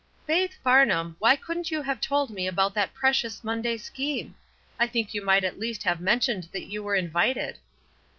"Faith Farnham, why couldn't you have told me about that precious Monday scheme? I think you might at least have mentioned that you were invited."